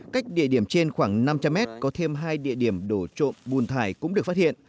cách địa điểm trên khoảng năm trăm linh mét có thêm hai địa điểm đổ trộm bùn thải cũng được phát hiện